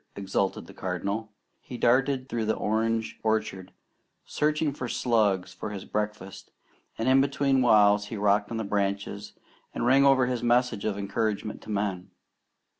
exulted the Cardinal He darted through the orange orchard searching for slugs for his breakfast, and between whiles he rocked on the branches and rang over his message of encouragement to men.